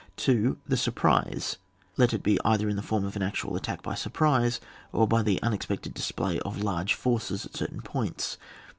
2. The surprise, let it be either in the form of an actual attack by surprise or by the unexpected display of large forces at certain points.